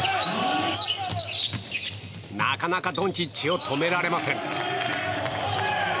なかなかドンチッチを止められません。